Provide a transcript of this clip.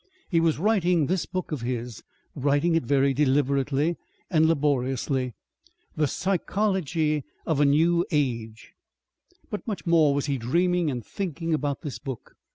He was writing this book of his, writing it very deliberately and laboriously, THE PSYCHOLOGY OF A NEW AGE, but much more was he dreaming and thinking about this book.